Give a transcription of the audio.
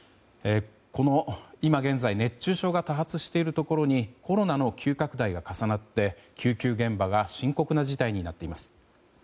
今、現在熱中症が多発しているところにコロナの急拡大が重なって、救急現場が深刻な事態になっています。